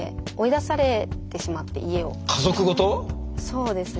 そうですね。